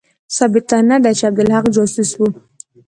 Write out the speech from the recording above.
ثابته نه ده چې عبدالحق جاسوس وو.